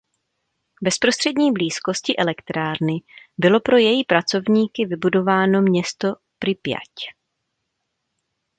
V bezprostřední blízkosti elektrárny bylo pro její pracovníky vybudováno město Pripjať.